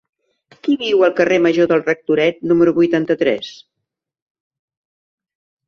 Qui viu al carrer Major del Rectoret número vuitanta-tres?